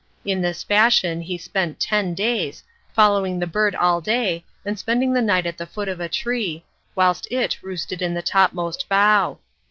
In this fashion he spent ten days, following the bird all day and spending the night at the foot of a tree, whilst it roosted on the topmost bough.